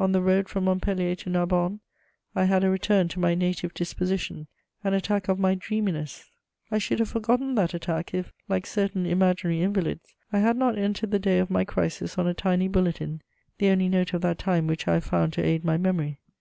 On the road from Montpellier to Narbonne, I had a return to my native disposition, an attack of my dreaminess. I should have forgotten that attack if, like certain imaginary invalids, I had not entered the day of my crisis on a tiny bulletin, the only note of that time which I have found to aid my memory.